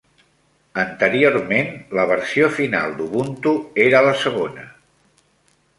Anteriorment, la versió final d'Ubuntu era la segona.